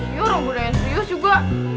ini orang budaya serius juga